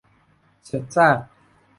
เศษซาก